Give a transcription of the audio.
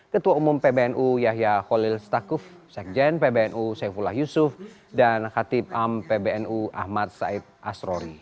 ketua umum pbnu yahya khalil stakuf sekjen pbnu saifullah yusuf dan khatib am pbnu ahmad said asrori